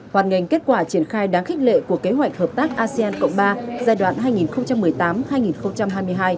hoàn ngành kết quả triển khai đáng khích lệ của kế hoạch hợp tác asean cộng ba giai đoạn hai nghìn một mươi tám hai nghìn hai mươi hai